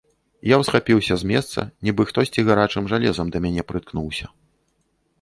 Я ўсхапіўся з месца, нібы хтосьці гарачым жалезам да мяне прыткнуўся.